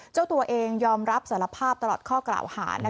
เจ้าตัวเองยอมรับสารภาพตลอดข้อกล่าวหา